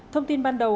thông tin ban đầu